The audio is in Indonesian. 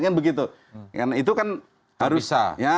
kan itu kan harus